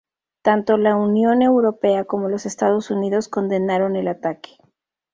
Tanto la Unión Europea como los Estados Unidos condenaron el ataque.